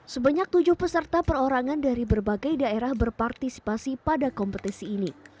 sebanyak tujuh peserta perorangan dari berbagai daerah berpartisipasi pada kompetisi ini